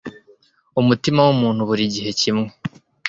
Umutima wumuntu burigihe kimwe